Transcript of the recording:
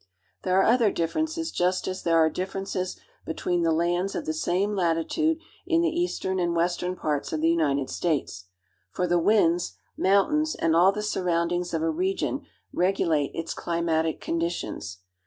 There are other differences just as there are differences between the lands of the same latitude in the eastern and western parts of the United States ; for the winds, moun tains, and all the surroundings of a region regulate its climatic conditions.